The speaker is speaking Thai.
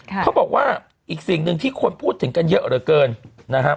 เขาบอกว่าอีกสิ่งหนึ่งที่คนพูดถึงกันเยอะเหลือเกินนะครับ